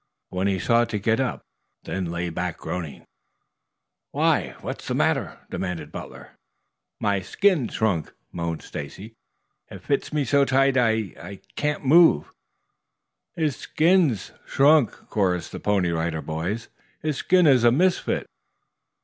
when he sought to get up, then lay back groaning. "Why, what's the matter?" demanded Butler. "My skin's shrunk," moaned Stacy. "It fits me so tight I I can't move." "His skin's shrunk," chorused the Pony Rider Boys. "His skin is a misfit."